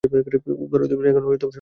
উদ্ধার অভিযান এখন শুরু করা যেতে পারে।